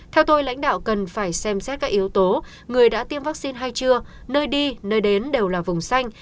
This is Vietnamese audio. theo tôi lãnh đạo cần phải xem xét các yếu tố người đã tiêm vaccine hay chưa nơi đi nơi đến đều là vùng xanh